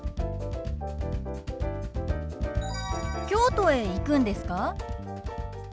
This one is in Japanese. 京都へ行くんですか？